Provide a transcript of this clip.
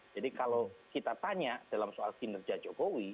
jadi kalau kita tanya dalam soal kinerja jokowi